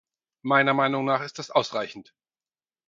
Meiner Meinung nach ist das ausreichend.